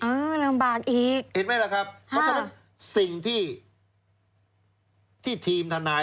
ลำบากอีกเห็นไหมล่ะครับเพราะฉะนั้นสิ่งที่ที่ทีมทนาย